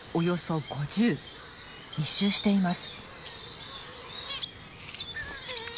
密集しています。